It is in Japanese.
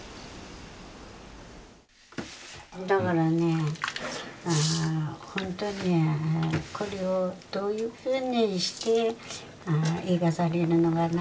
だからねほんとにこれをどういうふうにして生かされるのかな